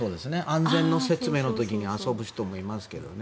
安全の説明の時に遊ぶ人もいますからね。